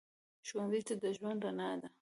ښوونځی د ژوند رڼا ده